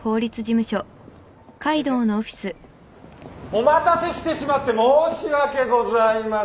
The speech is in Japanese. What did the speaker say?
お待たせしてしまって申し訳ございません！